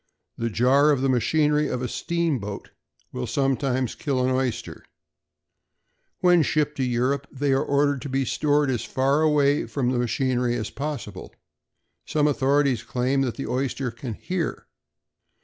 The jar of the machinery of a steamboat will sometimes kill an oyster. When shipped to Europe they are ordered to be stored as far away from the machinery as possible. Some authorities claim that the oyster can hear.